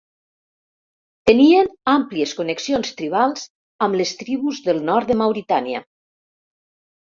Tenien àmplies connexions tribals amb les tribus del nord de Mauritània.